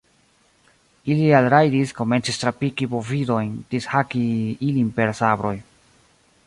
ili alrajdis, komencis trapiki bovidojn, dishaki ilin per sabroj.